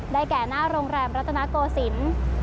แก่หน้าโรงแรมรัตนโกศิลป์